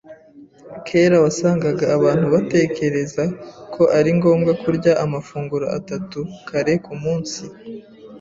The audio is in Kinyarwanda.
Kera wasangaga abantu batekereza ko ari ngombwa kurya amafunguro atatu kare kumunsi.